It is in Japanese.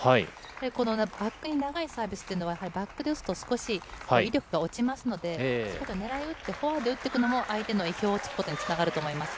このバックに長いサービスというのは、やはりバックで打つと、少し威力が落ちますので、そこを狙い打ってフォアで打っていくのが、相手の意表をつくことにつながると思います。